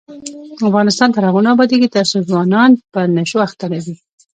افغانستان تر هغو نه ابادیږي، ترڅو ځوانان په نشو اخته وي.